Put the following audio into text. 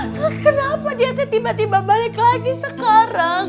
terus kenapa dia tuh tiba tiba balik lagi sekarang